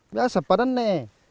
biasa seperti ini